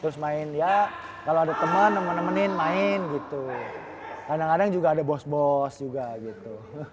terus main ya kalau ada temen nemen nemenin main gitu kadang kadang juga ada bos bos juga gitu